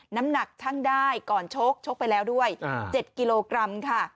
น้ำหนักช่างได้ก่อนชกชกไปแล้วด้วย๗กิโลกรัมค่ะ